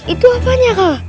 itu apanya kal